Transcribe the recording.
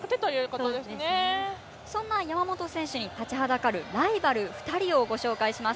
そんな山本選手に立ちはだかるライバル２人を紹介します。